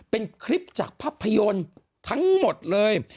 เป็นคลิปจากภาพยนตร์ทั้งหมดเลย